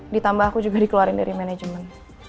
ditambah aku juga dikeluarin dari manajemen